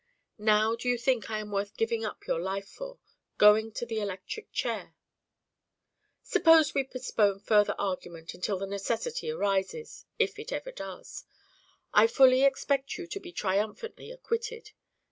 Now do you think I am worth giving up your life for going to the electric chair " "Suppose we postpone further argument until the necessity arises if it ever does. I fully expect you to be triumphantly acquitted.